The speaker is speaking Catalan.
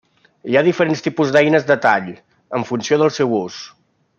Hi ha diferents tipus d'eines de tall, en funció del seu ús.